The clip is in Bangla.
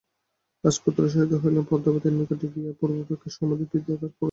রাজপুত্র সহিত হইলেন এবং পদ্মাবতীর নিকটে গিয়া পূর্বাপেক্ষায় সমধিক প্রীতি প্রকাশ করিলেন।